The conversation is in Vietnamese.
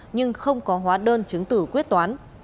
nhưng không có hóa đơn chứng từ quyết toán